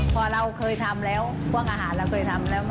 พอเราเคยทำแล้วพวกอาหารเราเคยทำแล้ว